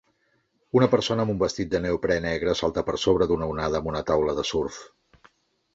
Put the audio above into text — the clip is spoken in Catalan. Una persona amb un vestit de neoprè negre salta per sobre d'una onada amb una taula de surf.